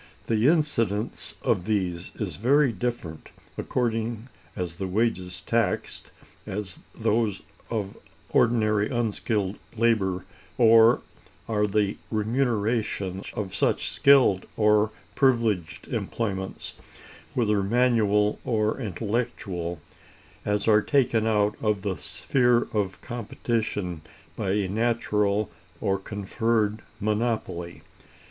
The incidence of these is very different, according as the wages taxed as those of ordinary unskilled labor, or are the remuneration of such skilled or privileged employments, whether manual or intellectual, as are taken out of the sphere of competition by a natural or conferred monopoly.